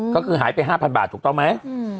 ก็คือหายไป๕๐๐บาทถูกต้องไหม